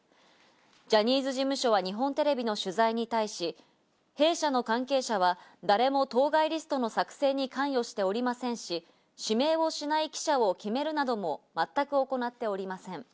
ジャニーズ事務所は日本テレビの取材に対し、弊社の関係者は誰も当該リストの作成に関与しておりませんし、指名をしない記者を決めるなども全く行っておりません。